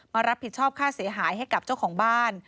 รับผิดชอบค่าเสียหายให้กับเจ้าของบ้าน